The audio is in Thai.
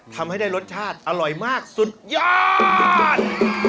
ทำให้ได้รสชาติอร่อยมากสุดยอด